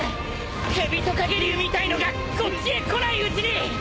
ヘビトカゲ竜みたいのがこっちへ来ないうちに！